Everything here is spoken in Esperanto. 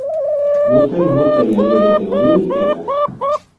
Multaj, multaj aliaj kategorioj eblas.